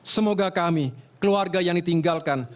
semoga kami keluarga yang ditinggalkan